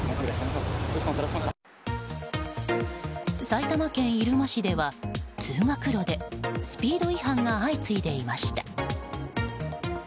埼玉県入間市では、通学路でスピード違反が相次いでいました。